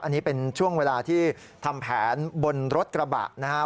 อันนี้เป็นช่วงเวลาที่ทำแผนบนรถกระบะนะครับ